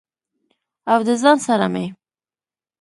او د ځان سره مې